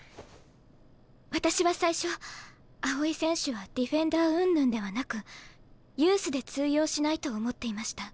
私は最初青井選手はディフェンダーうんぬんではなくユースで通用しないと思っていました。